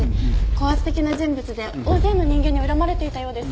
高圧的な人物で大勢の人間に恨まれていたようです。